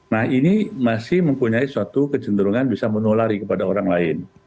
nah ini masih mempunyai suatu kecenderungan bisa menulari kepada orang lain